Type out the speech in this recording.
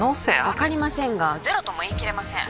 分かりませんが☎ゼロとも言い切れません